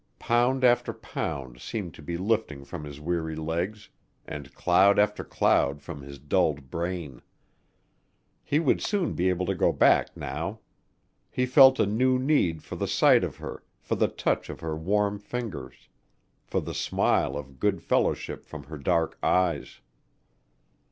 Pound after pound seemed to be lifting from his weary legs and cloud after cloud from his dulled brain. He would soon be able to go back now. He felt a new need for the sight of her, for the touch of her warm fingers, for the smile of good fellowship from her dark eyes.